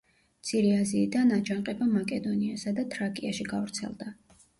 მცირე აზიიდან აჯანყება მაკედონიასა და თრაკიაში გავრცელდა.